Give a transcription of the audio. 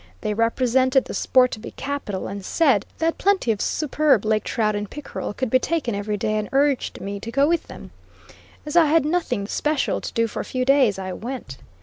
They represented the sport to be capital, and said that plenty of superb lake trout and pickerel could be taken every day, and urged me to go with them. As I had nothing special to do for a few days, I went.